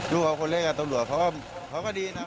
ลูกเขาคนเล็กตำรวจเขาก็ดีนะ